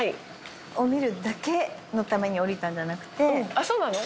あっそうなの。